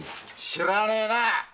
知らねえな！